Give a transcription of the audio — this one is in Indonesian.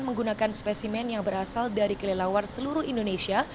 menggunakan spesimen yang berasal dari kelelawar seluruh indonesia